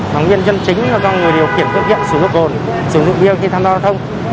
nó nguyên nhân chính là do người điều khiển cơ kiện sử dụng hồ cồn sử dụng hồ cồn khi tham gia hồ cồn